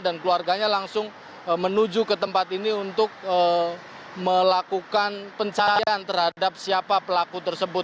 dan keluarganya langsung menuju ke tempat ini untuk melakukan pencahayaan terhadap siapa pelaku tersebut